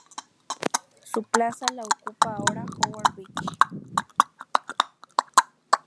Su plaza la ocupa ahora Howard Beach.